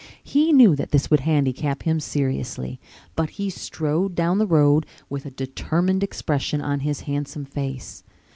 He knew that this would handicap him seriously, but he strode down the road with a determined expression on his handsome face.